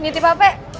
ini tipe apa